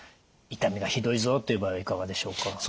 痛みがひどいぞという場合はいかがでしょうか？